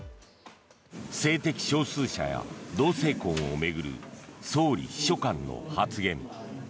性的少数者や同性婚を巡る総理秘書官の発言。